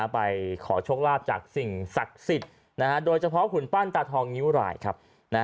ไปขอโชคลาภจากสิ่งศักดิ์สิทธิ์โดยเฉพาะหุ่นปั้นตาทองนิ้วรายครับ